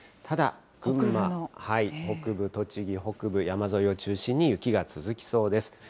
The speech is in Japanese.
ただ、群馬北部、栃木北部、北部山沿いを中心に、雪が続きそうです。